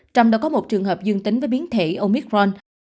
trong đó có một trường hợp dương tính với biến thể omicron